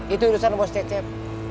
itu urusan bos cecep